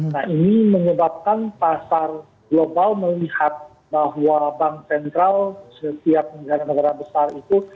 nah ini menyebabkan pasar global melihat bahwa bank sentral setiap negara negara besar itu